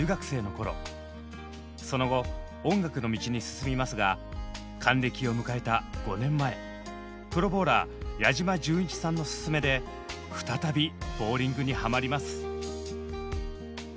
その後音楽の道に進みますが還暦を迎えた５年前プロボウラー矢島純一さんのススメで再びボウリングにハマります。